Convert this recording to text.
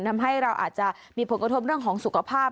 ทำให้เราอาจจะมีผลกระทบเรื่องของสุขภาพ